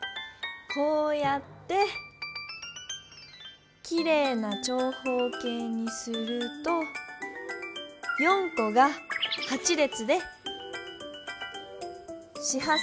こうやってきれいな長方形にすると４こが８れつで４×８＝３２。